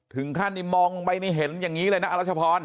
ถึงขั้นที่มองไปนี่เห็นอย่างนี้เลยนะอรัชพร